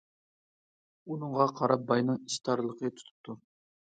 ئۇنىڭغا قاراپ باينىڭ ئىچ تارلىقى تۇتۇپتۇ.